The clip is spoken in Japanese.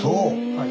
はい。